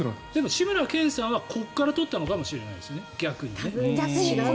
志村けんさんはここから取ったのかもしれないですね。